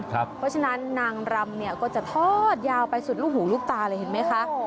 เพราะฉะนั้นนางรำเนี่ยก็จะทอดยาวไปสุดลูกหูลูกตาเลยเห็นไหมคะ